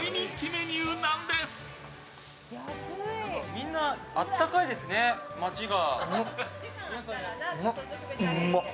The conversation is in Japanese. みんなあったかいですね、街が。